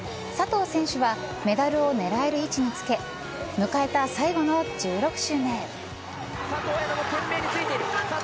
佐藤選手はメダルを狙える位置につけ迎えた最後の１６周目。